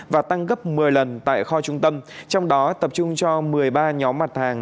và tăng gấp một mươi lần tại kho trung tâm trong đó tập trung cho một mươi ba nhóm mặt hàng